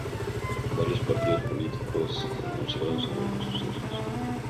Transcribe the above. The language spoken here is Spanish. Varios partidos políticos se pronunciaron sobre los sucesos.